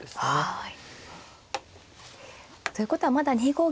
はい。